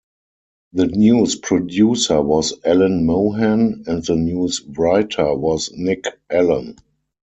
The news producer was Alan Mohan, and the news writer was Nick Allen.